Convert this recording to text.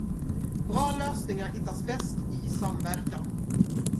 Bra lösningar hittas bäst i samverkan.